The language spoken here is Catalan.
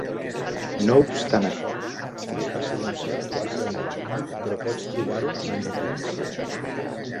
No obstant això, mai va ser llançat oficialment, però pots trobar-ho en you tube.